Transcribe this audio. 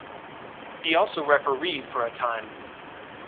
He also refereed for a time.